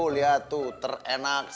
lihat tuh terenak